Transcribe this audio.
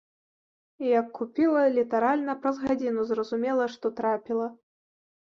Як купіла, літаральна праз гадзіну зразумела, што трапіла.